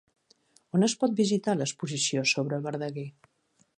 On es pot visitar l'exposició sobre Verdaguer?